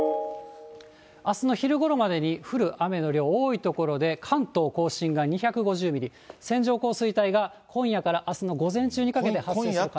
あすの昼ごろまでに降る雨の量、多い所で関東甲信が２５０ミリ、線状降水帯が今夜からあすの午前中にかけて発生する可能性が。